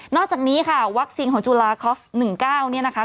นอกจากนี้ค่ะวัคซีนของจุฬาคอฟหนึ่งเก้า